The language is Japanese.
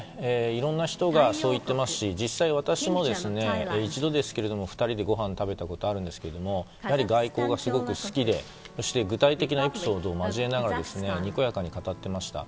いろんな人がそう言っていますし実際、私も一度ですけども２人でごはんを食べたことがあるんですけれどもやはり外交がすごく好きでそして具体的なエピソードを交えながらにこやかに語っていました。